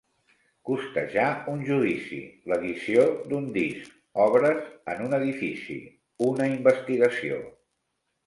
Costejar un judici, l'edició d'un disc, obres en un edifici, una investigació.